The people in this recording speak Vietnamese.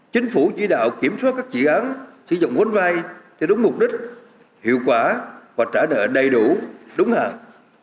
chính phủ chỉ đạo kiểm soát các dự án sử dụng vốn vai theo đúng mục đích hiệu quả và trả nợ đầy đủ đúng hạn